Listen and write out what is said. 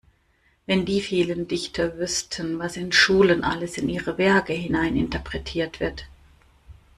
Wenn die vielen Dichter wüssten, was in Schulen alles in ihre Werke hineininterpretiert wird!